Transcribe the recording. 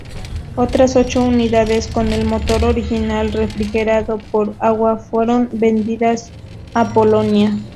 Otras ocho unidades con el motor original refrigerado por agua fueron vendidas a Polonia.